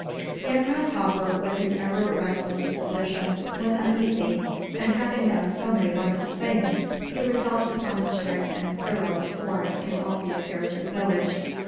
Yet Grasshopper, with his ever restless disposition, was uneasy; and, having done so many wonderful things, he resolved upon a strict and thorough reform in all the affairs of the village.